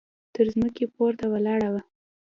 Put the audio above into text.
تر ځمکې پورته ولاړه وه.